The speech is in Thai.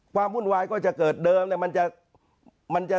ความวุ่นวายก็จะเกิดเดิมเนี่ย